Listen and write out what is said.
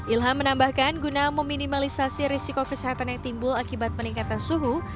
ilham menambahkan guna meminimalisasi risiko kesehatan yang timbul akibat peningkatan suhu